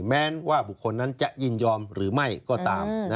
แม้ว่าบุคคลนั้นจะยินยอมหรือไม่ก็ตาม